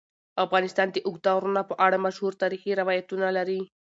افغانستان د اوږده غرونه په اړه مشهور تاریخی روایتونه لري.